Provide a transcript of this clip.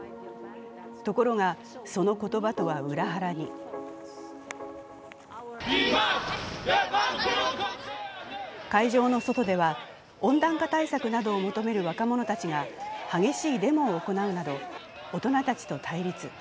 ところが、その言葉とは裏腹に会場の外では、温暖化対策などを求める若者たちが激しいデモを行うなど大人たちと対立。